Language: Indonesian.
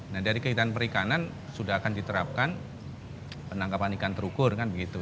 nah dari kehitan perikanan sudah akan diterapkan penangkapan ikan terukur kan begitu